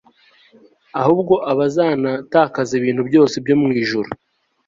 ahubwo bazanatakaza ibintu byose byo mu Ijuru